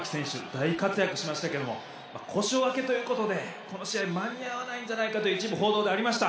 大活躍しましたけども故障明けということでこの試合間に合わないんじゃないかと一部報道でありました。